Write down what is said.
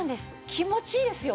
気持ちいいですよ。